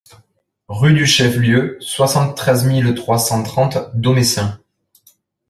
Rue du Chef-Lieu, soixante-treize mille trois cent trente Domessin